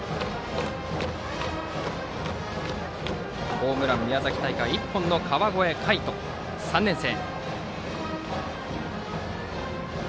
ホームラン、宮崎大会で１本の川越魁斗、３年生。